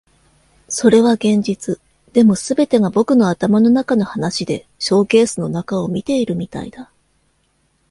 それは現実。でも、全てが僕の頭の中の話でショーケースの中を見ているみたいだ。